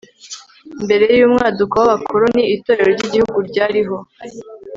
mbere y'umwaduko w'abakoloni itorero ry'igihugu ryari ho